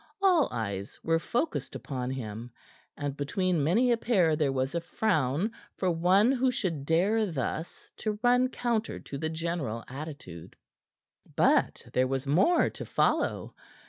All eyes were focussed upon him, and between many a pair there was a frown for one who should dare thus to run counter to the general attitude. But there was more to follow.